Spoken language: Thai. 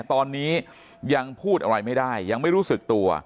ตอนนี้ยังพูดอะไรไม่ได้ยังไม่รู้สึกตัว